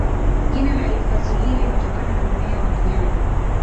Jina la hifadhi hii limetokana na mmea wa mnyaa